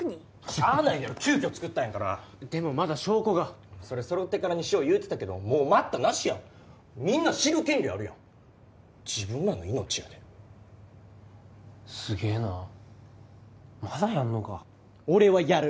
しゃあないやろ急きょ作ったんやからでもまだ証拠がそれ揃ってからにしよう言うてたけどもう待ったなしやんみんな知る権利あるやん自分らの命やですげえなまだやんのか俺はやる